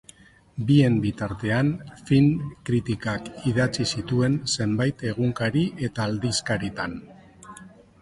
Bien bitartean, film-kritikak idatzi zituen zenbait egunkari eta aldizkaritan.